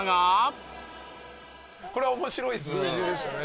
これは面白い数字でしたね。